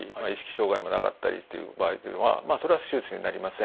障害もなかったりという場合というのはそれは手術にはなりません。